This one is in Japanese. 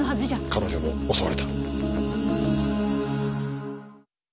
彼女も襲われた。